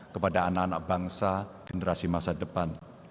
kepada anak anak bangsa generasi masa depan